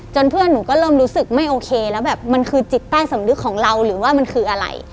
เพื่อนหนูก็เริ่มรู้สึกไม่โอเคแล้วแบบมันคือจิตใต้สำนึกของเราหรือว่ามันคืออะไร